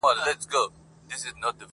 هر څه منم پر شخصيت باندي تېرى نه منم.